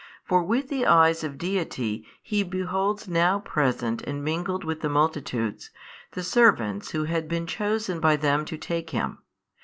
For with the Eyes of Deity He beholds now present and mingled with the multitudes, the servants who had been chosen by them to take Him.